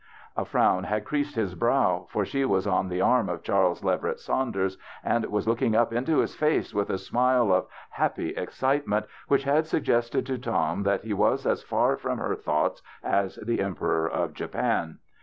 A fro^Ti had creased his brow, for she was on the arm of Charles Leverett Saunders, and was looking up into his face with a smile of happy excitement which had suggested to Tom that he was as far from her thoughts as the Emperor of Japan.